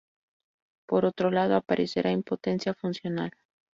Por otro lado, aparecerá impotencia funcional.